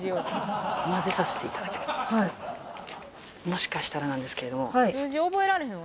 「もしかしたらなんですけど」